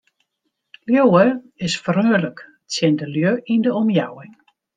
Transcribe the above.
Liuwe is freonlik tsjin de lju yn de omjouwing.